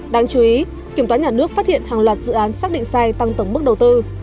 đáng chú ý kiểm toán nhà nước phát hiện hàng loạt dự án xác định sai tăng tổng mức đầu tư